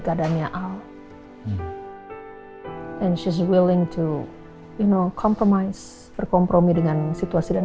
keadaannya al and she's willing to you know compromise berkompromi dengan situasi dan